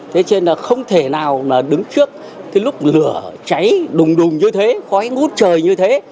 thế nên là không thể nào mà đứng trước lúc lửa cháy đùng đùng như thế khói ngút trời như thế